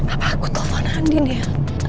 apa aku telpon andin ya